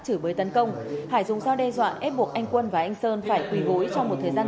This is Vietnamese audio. chửi bới tấn công hải dùng dao đe dọa ép buộc anh quân và anh sơn phải quỳ gối trong một thời gian